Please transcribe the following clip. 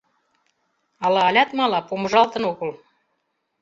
Ала алят мала, помыжалтын огыл?